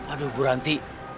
aduh bu ranti